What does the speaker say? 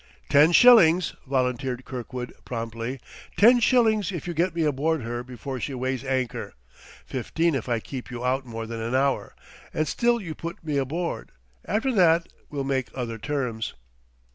"Ten shillings," volunteered Kirkwood promptly; "ten shillings if you get me aboard her before she weighs anchor; fifteen if I keep you out more than an hour, and still you put me aboard. After that we'll make other terms."